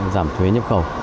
giảm thuế nhập khẩu